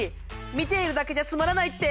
見ているだけじゃつまらないって？